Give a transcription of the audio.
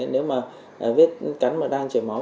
nếu mà vết cắn đang chảy máu